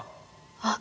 あっ。